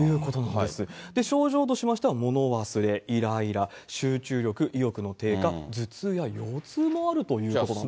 で、症状としましては、物忘れ、いらいら、集中力・意欲の低下、頭痛や腰痛もあるということなんですよ。